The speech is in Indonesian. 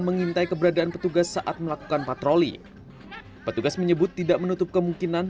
mengintai keberadaan petugas saat melakukan patroli petugas menyebut tidak menutup kemungkinan